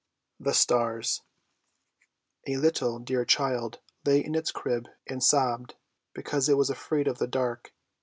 THE STARS A little dear child lay in its crib and sobbed, because it was afraid of the dark.